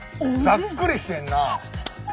ざっくりしてるなあ。